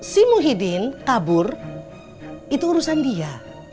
si muhyiddin kabur itu urusan dia